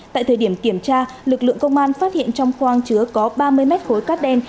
tại thời điểm kiểm tra lực lượng công an phát hiện trong khoang chứa có ba mươi mét khối cát đen